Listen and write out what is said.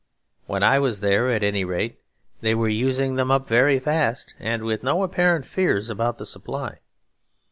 When I was there, at any rate, they were using them up very fast; and with no apparent fears about the supply.